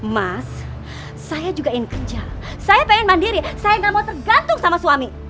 mas saya juga ingin kerja saya pengen mandiri saya nggak mau tergantung sama suami